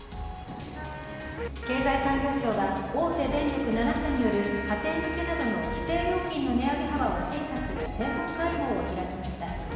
経済産業省は、大手電力７社による家庭向けなどの規制料金の値上げ幅を審査する専門会合を開きました。